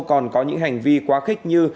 còn có những hành vi quá khích như